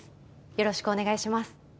よろしくお願いします。